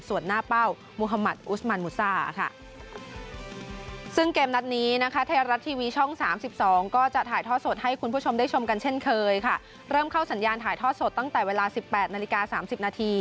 ส่วนหน้าเป้ามุธมัติอุสมันมุษาค่ะ